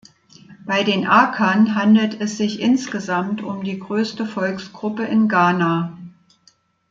Bei den Akan handelt es sich insgesamt um die größte Volksgruppe in Ghana.